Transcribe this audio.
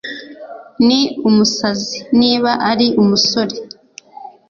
Ni umusazi Niba ari umusore